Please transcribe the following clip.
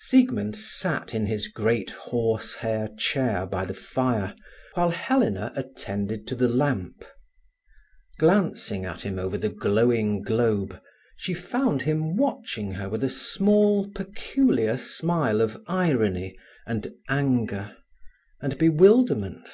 Siegmund sat in his great horse hair chair by the fire, while Helena attended to the lamp. Glancing at him over the glowing globe, she found him watching her with a small, peculiar smile of irony, and anger, and bewilderment.